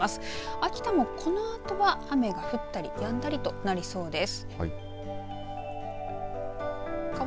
秋田もこのあとは雨が降ったりやんだりとなりそうです。